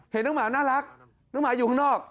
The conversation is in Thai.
เห็นน้องหมาน่ารักน้องหมาอยู่ข้างนอก